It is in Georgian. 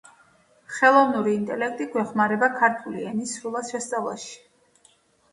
მოგვიანებით სახელი მთელმა ქალაქმა მიიღო.